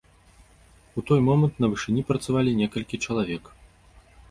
У той момант на вышыні працавалі некалькі чалавек.